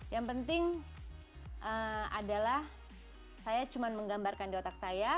yang penting adalah saya cuma menggambarkan di otak saya